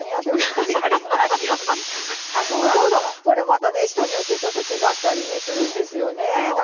これまたね人によってちょっと違ったりするんですよね。